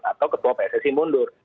atau ketua pssi mundur